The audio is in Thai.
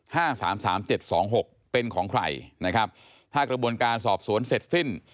ห้าสามสามเจ็ดสองหกเป็นของใครนะครับถ้ากระบวนการสอบสวนเสร็จสิ้น